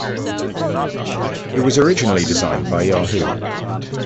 It was originally designed by Yahoo!